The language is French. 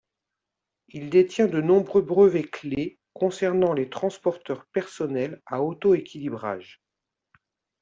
Il détient de nombreux brevets clés concernant les transporteurs personnels à auto-équilibrage.